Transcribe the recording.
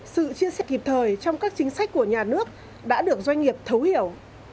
sự chia sẻ kịp thời trong các chính sách của nhà nước đã được doanh nghiệp thấu hiểu